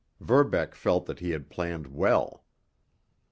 Verbeck felt that he had planned well.